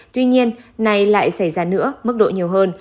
tuy nhiên này lại xảy ra nữa mức độ nhiều hơn